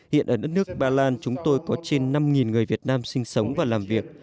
hiện ở đất nước ba lan chúng tôi có trên năm người việt nam sinh sống và làm việc